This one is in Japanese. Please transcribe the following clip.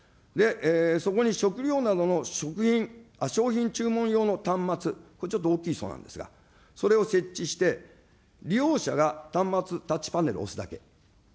そこに食料などの食品、商品注文用の端末、これ、ちょっと大きいそうなんですが、それを設置して、利用者が端末タッチパネルを押すだけ。